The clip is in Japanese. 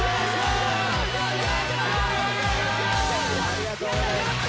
ありがとうございます。